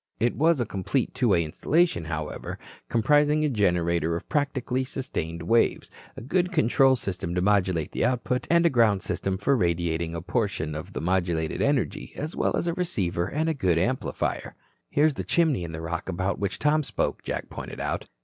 It was a complete two way installation, however, comprising a generator of practically sustained waves, a good control system to modulate the output, and a ground system for radiating a portion of the modulated energy as well as a receiver and a good amplifier. "Here is this chimney in the rock about which Tom spoke," Jack pointed out.